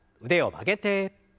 腕を曲げて。